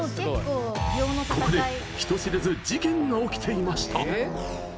ここで人知れず事件が起きていました！